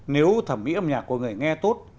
nếu thẩm mỹ âm nhạc của người nghe tốt